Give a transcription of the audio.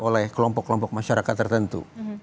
oleh kelompok kelompok masyarakat tertentu